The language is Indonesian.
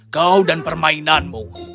kau dan permainanmu